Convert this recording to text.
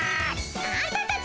あんたたち